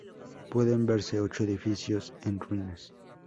Pueden verse ocho edificios en ruinas.